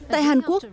tại hàn quốc